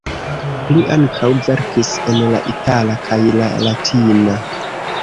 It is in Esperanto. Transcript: Li ankaŭ verkis en la itala kaj la latina.